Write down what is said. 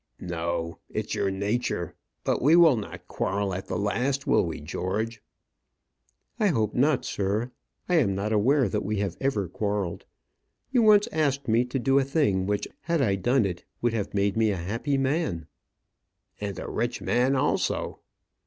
"No, it's your nature. But we will not quarrel at the last; will we, George?" "I hope not, sir. I am not aware that we have ever quarrelled. You once asked me to do a thing which, had I done it, would have made me a happy man " "And a rich man also."